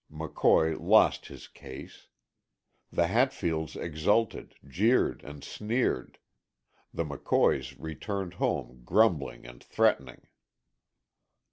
McCoy lost his case. The Hatfields exulted, jeered and sneered; the McCoys returned home grumbling and threatening.